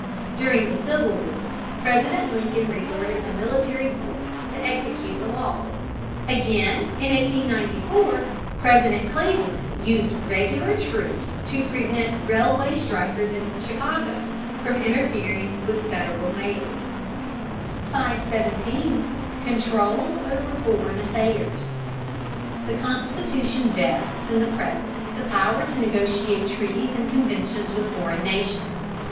During the Civil War, President Lincoln resorted to military force to execute the laws. Again, in 1894, President Cleveland used regular troops to prevent railway strikers in Chicago from interfering with the Federal mails. 517. CONTROL OVER FOREIGN AFFAIRS. The Constitution vests in the President the power to negotiate treaties and conventions with foreign nations.